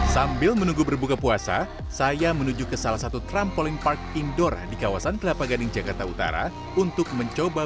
sampai jumpa di video selanjutnya